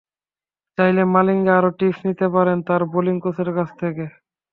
চাইলে মালিঙ্গা আরও টিপস নিতে পারেন তাঁর বোলিং কোচের কাছ থেকে।